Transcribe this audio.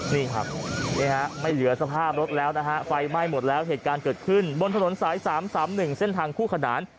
นี่ครับไม่เหลือสภาพรถแล้วนะฮะไฟไหม้หมดแล้วเหตุการณ์เกิดขึ้นบนถนนสาย๓๓๑เส้นทางคู่ขนาน